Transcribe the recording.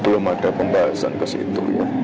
belum ada pembahasan ke situ ya